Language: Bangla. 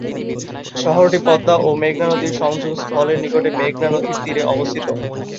শহরটি পদ্মা ও মেঘনা নদীর সংযোগ স্থলের নিকটে মেঘনা নদীর তীরে অবস্থিত।